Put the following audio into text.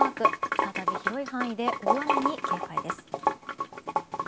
再び広い範囲で大雨に警戒です。